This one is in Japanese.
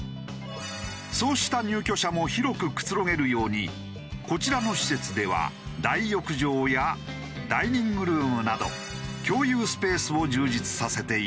そうした入居者も広くくつろげるようにこちらの施設では大浴場やダイニングルームなど共有スペースを充実させている。